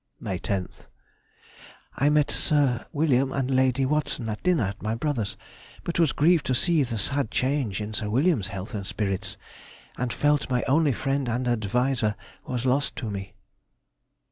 May 10th.—I met Sir William and Lady Watson at dinner at my brother's, but was grieved to see the sad change in Sir William's health and spirits, and felt my only friend and adviser was lost to me.